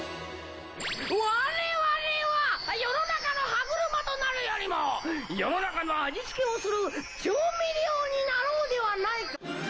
我々は世の中の歯車となるよりも世の中の味付けをする調味料になろうではないか。